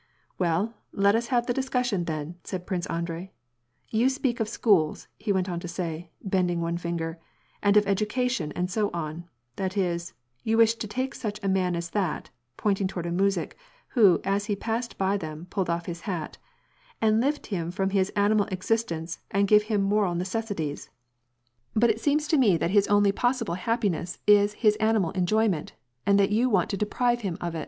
"Well, let us have the discussion then," said Prince Andrei. " You speak of schools," he went on to say, bending one finger, "and of education and so on ; that is, you wish to take such a man as that "— pointing towards a muzhik, who, as he passed by them, pulled off his hat —" and lift him from his animal existence and give him moral necessities} but it seems to me WAR AND PEACE. 113 that his only possible happiness is his animal enjoyment, and that you want to deprive him of.